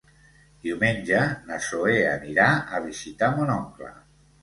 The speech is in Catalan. Diumenge na Zoè anirà a visitar mon oncle.